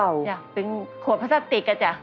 จ้ะเป็นขวดพลาสติกอ่ะจ้ะ